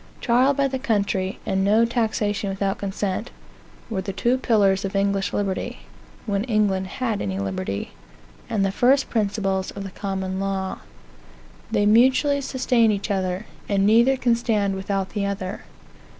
Trial by the country, and no taxation without consent, were the two pillars of English liberty, (when England had any liberty,) and the first principles of the Common Law. They mutually sustain each other; and neither can stand without the other.